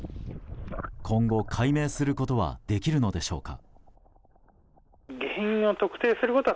今後、解明することはできるのでしょうか。